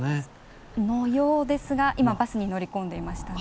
そのようですが今バスに乗り込んでいましたね。